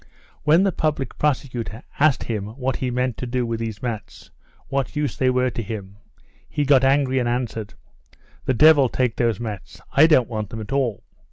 When the public prosecutor asked him what he meant to do with these mats, what use they were to him, he got angry, and answered: "The devil take those mats; I don't want them at all.